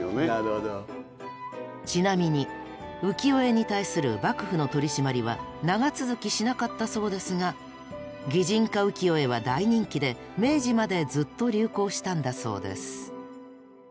ちなみに浮世絵に対する幕府の取り締まりは長続きしなかったそうですが擬人化浮世絵は大人気で明治までずっと流行したんだそうです。